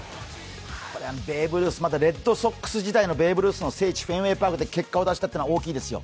レッドソックス時代のベーブ・ルースの聖地・フェンウェイ・パークで結果を出したというのは大きいですよ。